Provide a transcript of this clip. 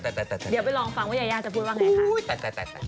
เดี๋ยวไปลองฟังจะพูดว่ายาย่าคุณณเดชน์เปิดผมอีกจะพูดว่าไง